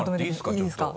いいですか？